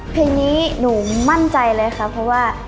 เพลงนี้หนูมั่นใจเลยค่ะเพราะว่า